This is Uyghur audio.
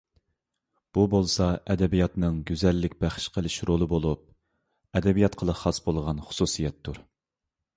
بۇ بولسا ئەدەبىياتنىڭ گۈزەللىك بەخش قىلىش رولى بولۇپ، ئەدەبىياتقىلا خاس بولغان خۇسۇسىيەتتۇر.